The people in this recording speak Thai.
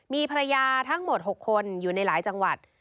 มีภรรยาทั้งหมด๖คนอยู่ในหลายจังหวัด